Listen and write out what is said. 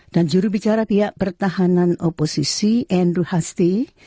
dan jurubicara pihak pertahanan oposisi andrew hastie